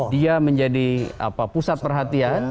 dia menjadi pusat perhatian